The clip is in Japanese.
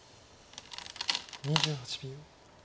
２８秒。